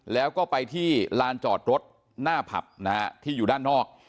แล้วก็ไปที่ลานจอดรถหน้าผับนะฮะที่อยู่ด้านนอก